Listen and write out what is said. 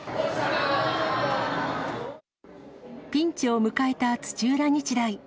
ピンチを迎えた土浦日大。